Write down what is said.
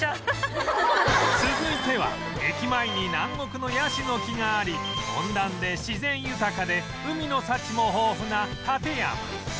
続いては駅前に南国のヤシの木があり温暖で自然豊かで海の幸も豊富な館山